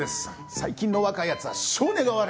最近の若いやつは性根が悪い。